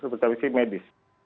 terutama itu medis